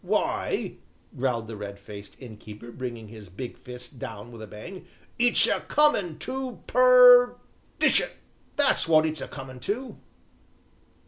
"W'y," growled the red faced innkeeper, bringing his big fist down with a bang, "it's a comin' to per dition; that's wot it's a comin' to!"